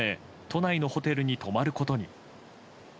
都内のホテルに泊まることに。